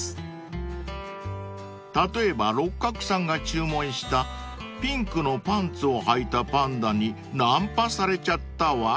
［例えば六角さんが注文したピンクのパンツをはいたパンダにナンパされちゃったは？］